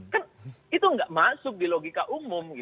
kan itu nggak masuk di logika umum